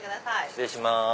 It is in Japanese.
失礼します。